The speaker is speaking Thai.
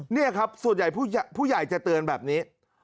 นี่ครับส่วนใหญ่ผู้ใหญ่จะเตือนแบบนี้